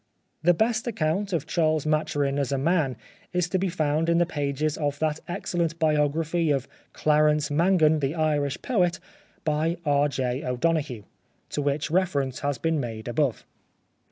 The best account of Charles Maturin as a man is to be found in the pages of that excellent biography of " Clarence Mangan, the Irish Poet," by R. J. O'Donoghue, to which reference has been made above.